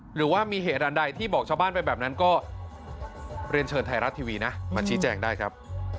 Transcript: หรือว่ามีเหตุอันใดที่บอกชาวบ้านไปแบบนั้นก็เรียนเชิญไทยรัฐทีวีนะมาชี้แจงได้ครับ